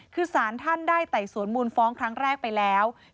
คือสารท่านได้ไต่สวนมูลฟ้องครั้งแรกไปแล้ว